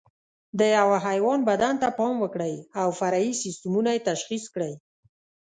د یوه حیوان بدن ته پام وکړئ او فرعي سیسټمونه یې تشخیص کړئ.